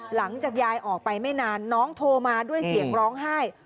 หลังจากยายออกไปไม่นานน้องโทรมาด้วยเสียงร้องไห้